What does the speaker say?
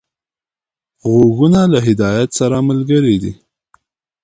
غوږونه له هدایت سره ملګري دي